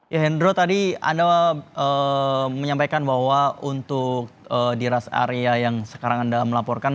ya hendro tadi anda menyampaikan bahwa untuk di rest area yang sekarang anda melaporkan